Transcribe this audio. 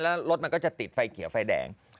แล้วรถมันก็จะติดไฟเขียวไฟแดง